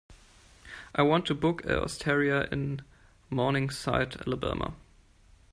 I want to book an osteria in Morningside Alabama.